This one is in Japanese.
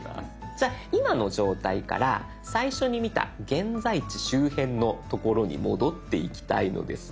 じゃあ今の状態から最初に見た現在地周辺の所に戻っていきたいのですが。